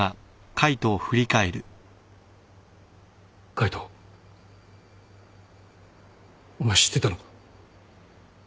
海斗お前知ってたのか？